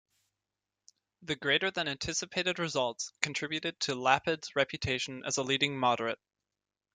The greater than anticipated results contributed to Lapid's reputation as a leading moderate.